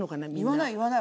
言わない言わない。